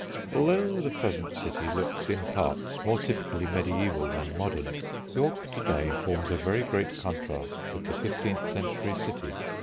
Although the present city looks, in parts, more typically mediæval than modern, York to day forms a very great contrast with the fifteenth century city.